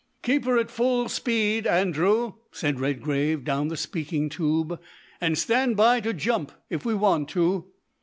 "Keep her at full speed, Andrew," said Redgrave down the speaking tube, "and stand by to jump if we want to."